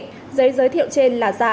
giấy giới thiệu trên là giả